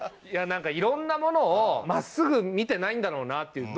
いや何かいろんなものを真っすぐ見てないんだろうなって。